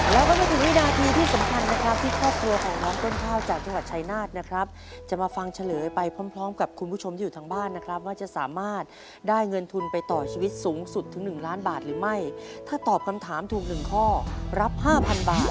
แล้วก็ไม่ถึงวินาทีที่สำคัญนะครับที่ครอบครัวของน้องต้นข้าวจากจังหวัดชายนาฏนะครับจะมาฟังเฉลยไปพร้อมพร้อมกับคุณผู้ชมที่อยู่ทางบ้านนะครับว่าจะสามารถได้เงินทุนไปต่อชีวิตสูงสุดถึงหนึ่งล้านบาทหรือไม่ถ้าตอบคำถามถูกหนึ่งข้อรับห้าพันบาท